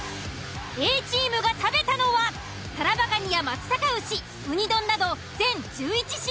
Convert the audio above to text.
Ａチームが食べたのはタラバガニや松阪牛ウニ丼など全１１品。